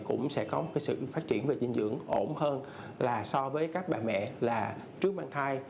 cũng sẽ có một sự phát triển về dinh dưỡng ổn hơn là so với các bà mẹ là trước mang thai